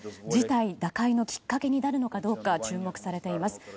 事態打開のきっかけになるのかどうか注目されています。